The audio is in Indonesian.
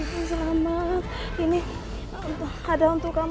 suaranya dari sana abang